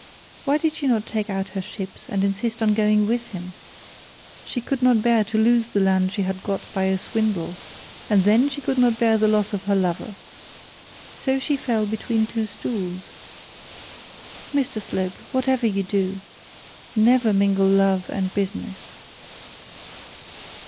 Why did she not take out her ships and insist on going with him? She could not bear to lose the land she had got by a swindle; and then she could not bear the loss of her lover. So she fell between two stools. Mr Slope, whatever you do, never mingle love and business.'